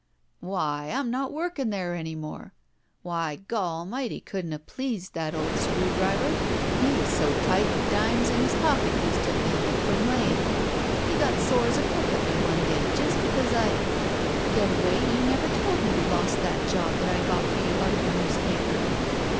'Why, I'm not working there any more. Why, Gawalmighty couldn't have pleased that old screw driver. He was so tight the dimes in his pocket used to mildew from laying. He got sore as a pup at me one day just because I —" "Getaway, you never told me you lost that job that I got for you out of the newspaper!"